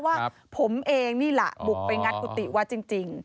ว่าผมเองนี่แหละบุกไปงัดกุฏิวัดจริง